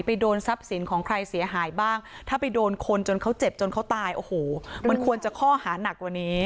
โดนทรัพย์สินของใครเสียหายบ้างถ้าไปโดนคนจนเขาเจ็บจนเขาตายโอ้โหมันควรจะข้อหานักกว่านี้